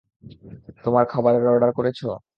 তোমার খাবারের অর্ডার করেছ?